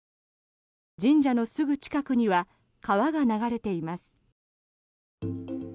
神社のすぐ近くには川が流れています。